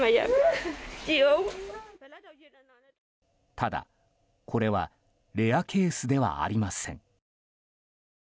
ただ、これはレアケースではありません。